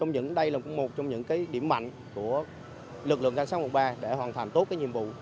những đây là một trong những điểm mạnh của lực lượng cảnh sát quận ba để hoàn thành tốt cái nhiệm vụ